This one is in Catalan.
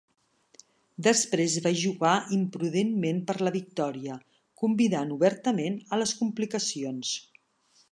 Després va jugar imprudentment per la victòria, convidant obertament a les complicacions.